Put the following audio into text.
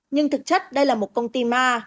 nhưng thực chất đây là một công ty ma